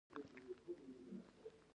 د ډېرو کارګرانو استثمار ورسره شونی دی